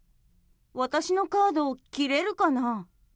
私のカード切れるかな。